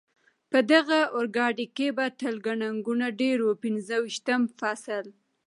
په دغه اورګاډي کې به تل ګڼه ګوڼه ډېره وه، پنځه ویشتم فصل.